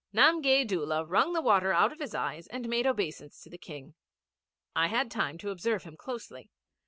Namgay Doola wrung the water out of his eyes and made obeisance to the King. I had time to observe him closely.